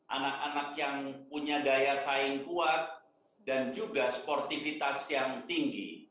anak anak yang punya daya saing kuat dan juga sportivitas yang tinggi